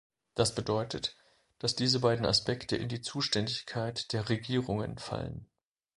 Das bedeutet, dass diese beiden Aspekte in die Zuständigkeit der Regierungen fallen.